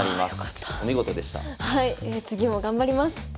次も頑張ります。